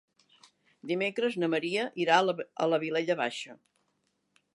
Dimecres na Maria irà a la Vilella Baixa.